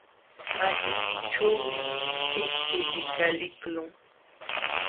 Makiykićhuumi tikti likaliqlun.